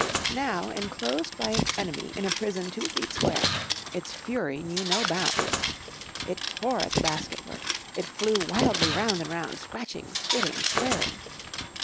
Now, enclosed by its enemy in a prison two feet square, its fury knew no bounds. It tore at the basket work, it flew wildly round and round, scratching, spitting, swearing.